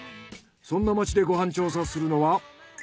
そんな町でご飯調査するのは。